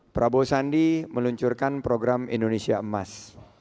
prabowo sandi meluncurkan program indonesia emas